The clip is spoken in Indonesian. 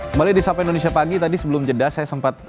kembali di sapa indonesia pagi tadi sebelum jeda saya sempat